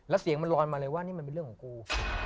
แล้วเสียงมันลอยมาเลยว่านี่มันเป็นเรื่องของกู